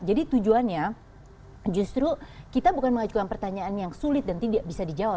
jadi tujuannya justru kita bukan mengajukan pertanyaan yang sulit dan tidak bisa dijawab